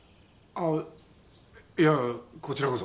あっいやこちらこそ。